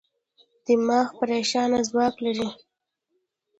دماغ برېښنا ځواک لري.